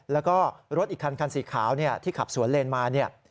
แล้วก็รถอีกคันคันสีขาวที่ขับสวนเลนมาเนี่ย